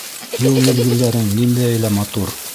Йыл миҙгелдәренең ниндәйе лә матур.